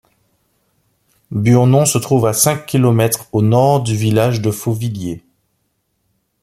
Burnon se trouve à cinq kilomètres au nord du village de Fauvillers.